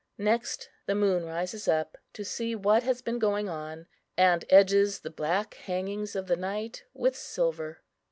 Next the moon rises up to see what has been going on, and edges the black hangings of the night with silver.